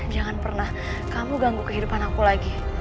jangan pernah kamu ganggu kehidupan aku lagi